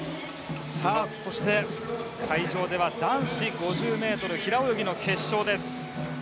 そして、会場では男子５０ｍ平泳ぎの決勝です。